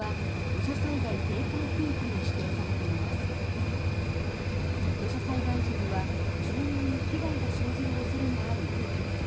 土砂災害時には住民に危害が生じる恐れのある区域です。